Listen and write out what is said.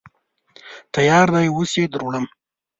_تيار دی، اوس يې دروړم.